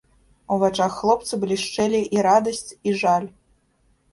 У вачах хлопца блішчэлі і радасць, і жаль.